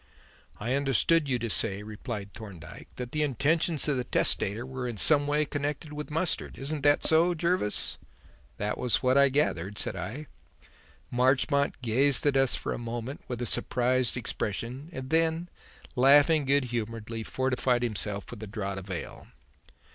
"I understood you to say," replied Thorndyke, "that the intentions of the testator were in some way connected with mustard. Isn't that so, Jervis?" "That was what I gathered," said I. Marchmont gazed at us for a moment with a surprised expression and then, laughing good humouredly, fortified himself with a draught of ale.